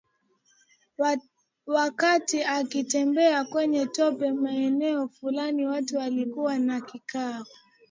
Wakati akitembea kwenye tope maeneo Fulani watu walikuwa na kikao